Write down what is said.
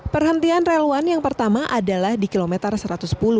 perhentian rel satu yang pertama adalah di kilometer satu ratus sepuluh